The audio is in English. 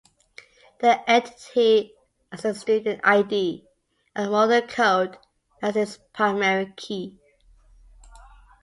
The entity has a studentId and a moduleCode as its primary key.